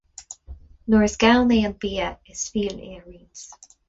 Nuair is gann é an bia is fial é a roinnt.